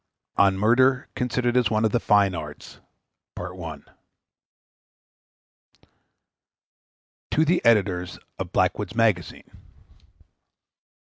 ON MURDER, CONSIDERED AS ONE OF THE FINE ARTS. TO THE EDITOR OF BLACKWOOD'S MAGAZINE.